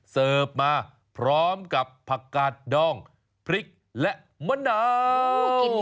เสิร์ฟมาพร้อมกับผักกาดดองพริกและมะนาว